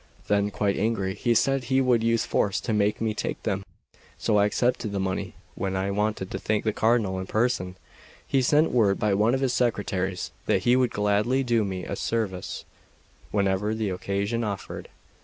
Then, quite angry, he said he would use force to make me take them. So I accepted the money. When I wanted to thank the Cardinal in person, he sent word by one of his secretaries that he would gladly do me a service whenever the occasion offered.